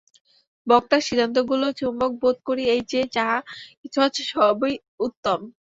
বক্তার সিদ্ধান্তগুলির চুম্বক বোধ করি এই যে, যাহা কিছু আছে, সবই উত্তম।